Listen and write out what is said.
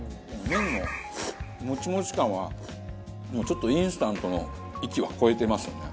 麺のモチモチ感はもうちょっとインスタントの域は超えてますよね。